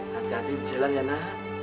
hati hati di jalan ya nak